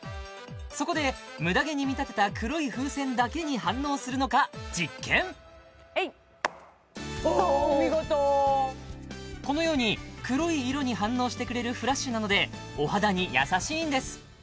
そこでムダ毛に見立てた黒い風船だけに反応するのか実験えいっおーっお見事このように黒い色に反応してくれるフラッシュなのでお肌に優しいんです